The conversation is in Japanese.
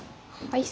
はい。